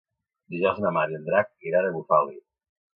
Dijous na Mar i en Drac iran a Bufali.